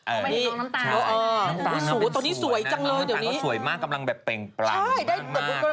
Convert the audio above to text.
เออนี่น้องน้ำตาลเขาเป็นสวยนะน้องน้ำตาลเขาสวยมากกำลังแบบเปร่งปรังมากเลย